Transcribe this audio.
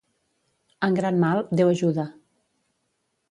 En gran mal, Déu ajuda.